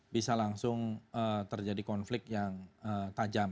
bisa langsung terjadi konflik yang tajam